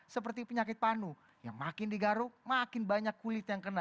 seperti penyakit panu yang makin digaruk makin banyak kulit yang kena